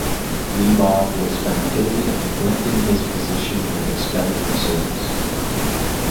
Glebov was found guilty of "neglecting his position" and expelled from service.